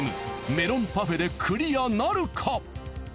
メロンパフェでクリアなるか？